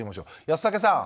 安武さん。